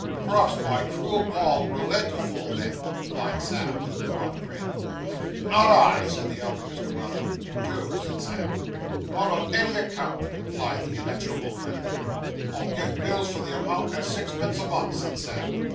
'P'raps my cruel pa 'ull relent afore then,' replied Sam, with a broad grin. 'Not I,' said the elder Mr. Weller. 'Do,' said Sam. 'Not on no account,' replied the inexorable creditor. 'I'll give bills for the amount, at sixpence a month,' said Sam.